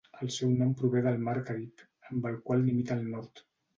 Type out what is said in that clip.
El seu nom prové del mar Carib, amb el qual limita al nord.